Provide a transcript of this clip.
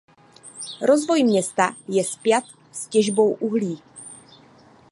Rozvoj města je spjat s těžbou uhlí.